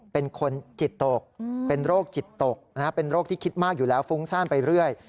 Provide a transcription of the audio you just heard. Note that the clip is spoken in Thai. เป็นคนจิตตกเป็นโรคจิตตกเป็นโรคที่คิดมากอยู่แล้วฟุ้งซ่านไปเรื่อย